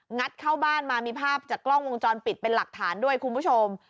งัดเข้าบ้านมามีภาพจากกล้องวงจรปิดเป็นหลักฐานด้วยคุณผู้ชม